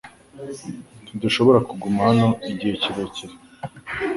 Ntidushobora kuguma hano igihe kirekire .